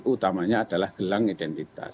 utamanya adalah gelang identitas